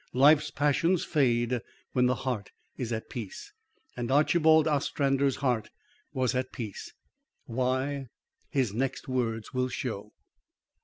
Life's passions fade when the heart is at peace. And Archibald Ostrander's heart was at peace. Why, his next words will show.